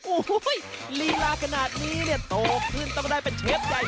โอ้โหลีลาขนาดนี้เนี่ยโตขึ้นต้องได้เป็นเชฟใหญ่